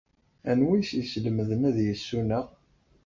Anwa ay as-yeslemden ad yessuneɣ?